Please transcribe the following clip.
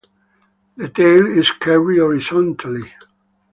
The tail is carried horizontally.